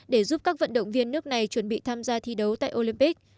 để giúp các vận động viên nước này chuẩn bị tham gia thi đấu tại olympic